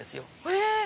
えっ！